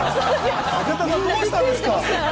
武田さん、どうしたんですか？